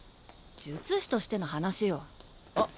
術師としての話よあっ